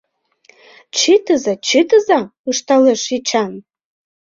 — Чытыза-чытыза, — ышталеш Эчан.